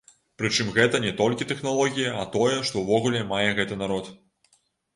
Прычым гэта не толькі тэхналогіі, а тое, што ўвогуле мае гэты народ.